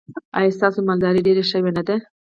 ایا ستاسو مالداري ډیره شوې نه ده؟